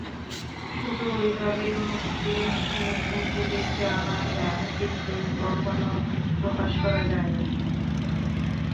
শুধু ঐভাবেই অনুভূতিগুলি জানা যায়, কিন্তু কখনও প্রকাশ করা যায় না।